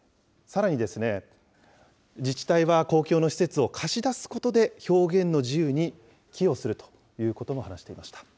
さらに、自治体は公共の施設を貸し出すことで、表現の自由に寄与するということも話していました。